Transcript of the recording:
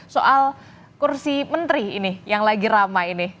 soal kursi menteri ini yang lagi ramai ini